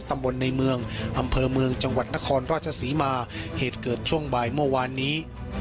ตำบลในเมืองอำเภอเมืองจังหวัดนครราชศรีมาเหตุเกิดช่วงบ่ายเมื่อวานนี้